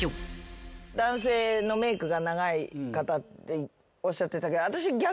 男性のメークが長い方っておっしゃってたけど。